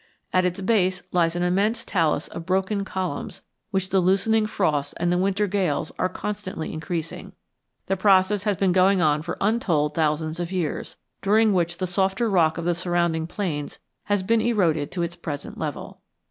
At its base lies an immense talus of broken columns which the loosening frosts and the winter gales are constantly increasing; the process has been going on for untold thousands of years, during which the softer rock of the surrounding plains has been eroded to its present level.